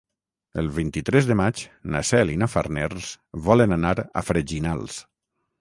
El vint-i-tres de maig na Cel i na Farners volen anar a Freginals.